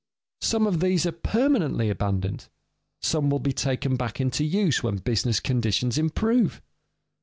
Some of these are permanently abandoned; some will be taken back into use when business conditions improve.